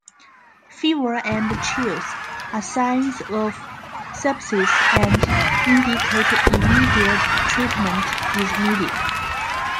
Fever and chills are signs of sepsis and indicate immediate treatment is needed.